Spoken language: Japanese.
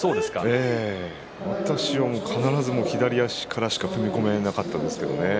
私は必ず左足からしか踏み込めなかったですけどね。